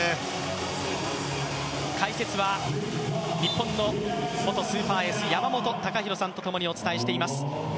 解説は元日本のスーパーエース、山本隆弘さんとともにお伝えしています。